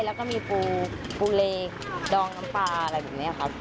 แล้วก็มีปูเลดองน้ำปลาอะไรแบบนี้ครับ